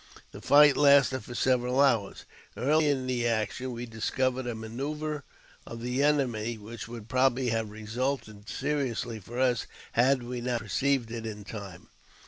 The fight lasted for several hours. Early in the action we discovered a manoeuvre of the enemy which would probably have resulted seriously for us had we not perceived it in time.